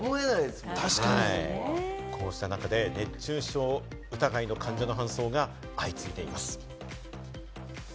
こうした中で、熱中症疑いの患者の搬送が相次いでいます。